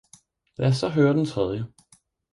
»Lad os saa høre den Tredie!